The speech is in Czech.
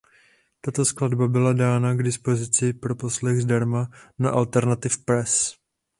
Tato skladba byla dána k dispozici pro poslech zdarma na Alternative Press.